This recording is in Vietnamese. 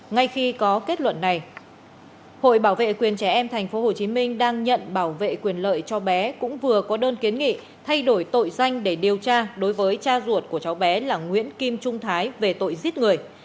ngay khi có kết luận này hội bảo vệ quyền trẻ em tp hcm đang nhận bảo vệ quyền lợi cho bé cũng vừa có đơn kiến nghị thay đổi tội danh để điều tra đối với cha ruột của cháu bé là nguyễn kim trung thái về tội giết người